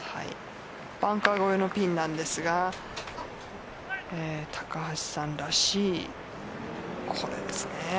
バンカー越えのピンなんですが高橋さんらしいこれですね。